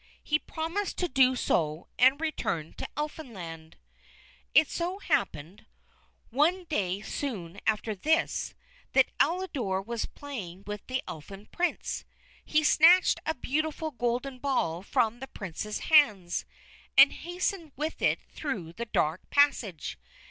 He promised to do so, and returned to Elfinland. It so happened, one day soon after this, that Elidore was playing with the Elfin Prince. He snatched a beautiful golden ball from the Prince's hands, and hastened with it through the dark passage.